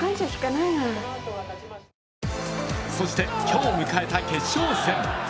そして今日迎えた決勝戦。